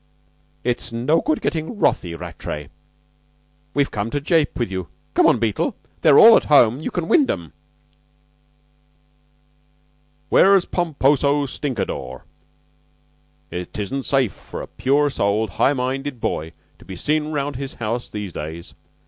"It's no good getting wrathy, Rattray. We've come to jape with you. Come on, Beetle. They're all at home. You can wind 'em." "Where's the Pomposo Stinkadore? 'Tisn't safe for a pure souled, high minded boy to be seen round his house these days.